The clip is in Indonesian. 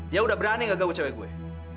dia udah berani nggak gaul cewek gue